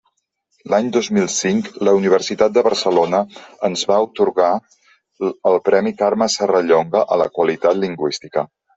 L'any dos mil cinc la Universitat de Barcelona ens va atorgar el premi Carme Serrallonga a la qualitat lingüística.